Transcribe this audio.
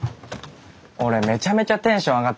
俺めちゃめちゃテンション上がってるんですから。